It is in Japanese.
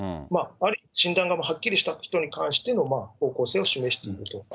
ある意味、診断がはっきりした人に関しての方向性を示していくと。